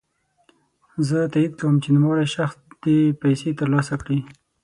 زه تاييد کوم چی نوموړی شخص دي پيسې ترلاسه کړي.